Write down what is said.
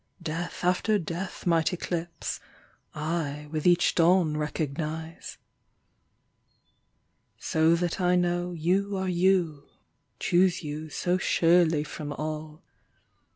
Death after death might eclipse: I with each dawn recognise. So that I know you are you, Choose you so surely from all.